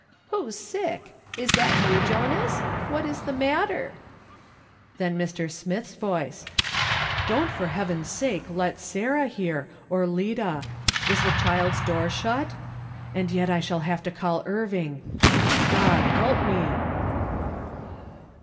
" Who's sick ? Is that you, Jonas ? What is the matter ?" Then Mr. Smith's voice :" Don't for Heaven's sake let Sarah hear or Lida. Is the child's door shut ? And yet I shall have to call Irving. Oh, God help me